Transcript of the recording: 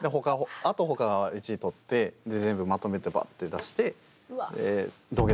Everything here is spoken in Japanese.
あと他は１位取ってで全部まとめてばって出してええっ！